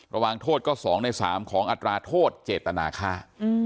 ระวังโทษก็๒ใน๓ของอัตราโทษเจตนาค่า